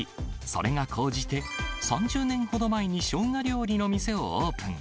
それが高じて、３０年ほど前にショウガ料理の店をオープン。